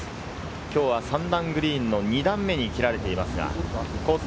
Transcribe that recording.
今日は３段グリーンの２段目に切られていますが、コース